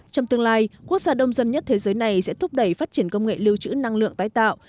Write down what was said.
trong tương lai quốc gia đông dân nhất thế giới này sẽ thúc đẩy phát triển công nghệ lưu trữ năng lượng tái tạo